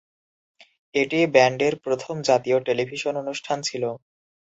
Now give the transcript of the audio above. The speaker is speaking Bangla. এটি ব্যান্ডের প্রথম জাতীয় টেলিভিশন অনুষ্ঠান ছিল।